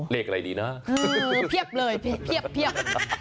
เลขอะไรดีนะเพียบเลยเพียบ